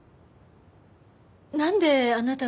なんであなたが。